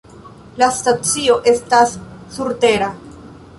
La stacio estas surtera.